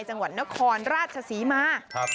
จังหวัดนครราชศรีมา